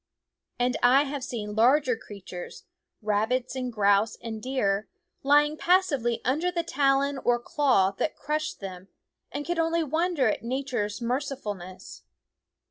And I have seen larger crea tures rabbits and grouse and deer lying passive under the talon or claw that crushed them, and could only wonder at Nature's mercifulness.